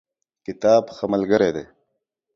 کتاب ښه ملګری دی.